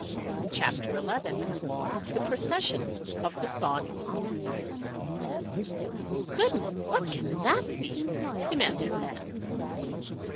CHAPTER XI THE PROCESSION OF THE SAWNEYS "Goodness! what can that be?" demanded Nan.